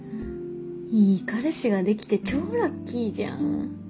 いい彼氏ができて超ラッキーじゃん。